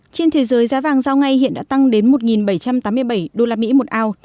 trên thế giới giá vàng giao ngay hiện đã tăng đến một bảy trăm tám mươi bảy usd một ao